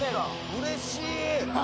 うれしい。